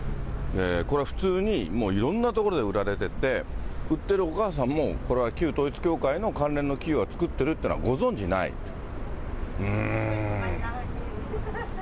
これ、普通にもう、いろんな所で売られてて、売ってるお母さんもこれは旧統一教会の関連の企業が作ってるっていうのはご存じない。うーん。